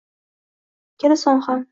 - Ikkala soni ham...